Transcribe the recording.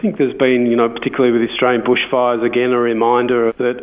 kami menambahkan keputusan globalnya